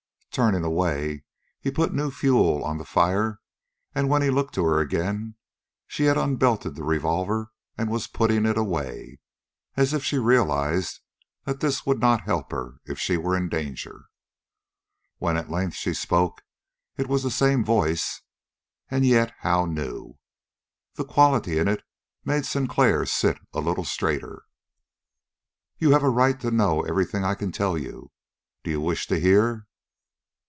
Turning away, he put new fuel on the fire, and when he looked to her again, she had unbelted the revolver and was putting it away, as if she realized that this would not help her if she were in danger. When at length she spoke it was the same voice, and yet how new! The quality in it made Sinclair sit a little straighter. "You have a right to know everything that I can tell you. Do you wish to hear?"